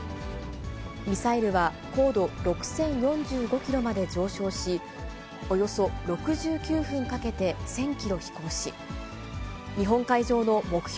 ミサイルは高度６０４５キロまで上昇し、およそ６９分かけて１０００キロ飛行し、日本海上の目標